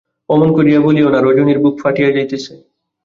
অমন করিয়া বলিয়ো না, রজনীর বুক ফাটিয়া যাইতেছে।